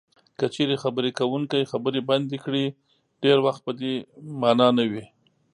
که چېرې خبرې کوونکی خبرې بندې کړي ډېری وخت په دې مانا نه وي.